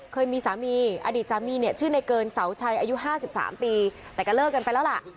เคยมีสามีอดีตสามีเนี่ยชื่อในเกินเสาชัยอายุ๕๓ปีแต่ก็เลิกกันไปแล้วล่ะ